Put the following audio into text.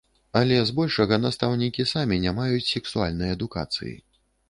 Але збольшага настаўнікі самі не маюць сексуальнай адукацыі.